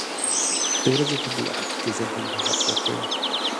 • د ورځې طبیعت د ذهن راحت ورکوي.